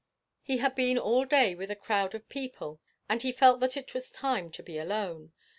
He had been all day with a crowd of people, and he felt that it was time to be alone.